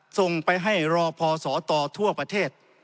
ส่งไปให้รอพอสตทั่วประเทศ